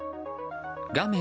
画面